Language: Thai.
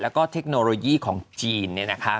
แล้วก็เทคโนโลยีของจีนเนี่ยนะคะ